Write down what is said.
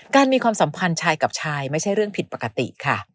มีความสัมพันธ์ชายกับชายไม่ใช่เรื่องผิดปกติค่ะ